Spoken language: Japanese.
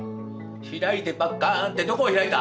「開いてパッカン」ってどこを開いた？